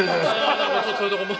あそういうとこも。